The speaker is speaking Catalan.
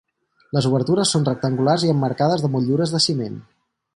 Les obertures són rectangulars i emmarcades de motllures de ciment.